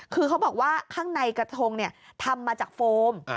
คือเขาบอกว่าข้างในกระทงทำมาจากโฟม